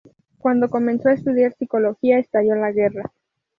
Cuando comenzó a estudiar psicología, estalló la guerra.